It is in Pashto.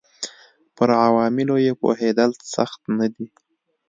پر عواملو یې پوهېدل سخت نه دي.